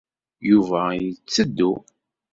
Yuba yetteddu.